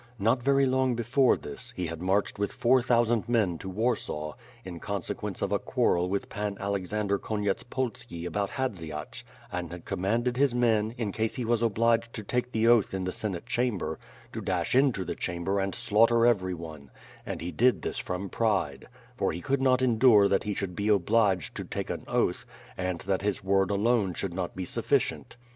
Not very long before this, he had marched with four thousand men to Warsaw, in consequence of a quarrel with Pan Alexander Konyetspolski about Hadziach, and had commanded his men, in case he was obliged to take the oath in the Senate chamber, to dash into the chamber and slaugh ter everyone; and he did this from pride; for he could not endure that he should be obliged to take an oath, and that his word alone should not be sufficient.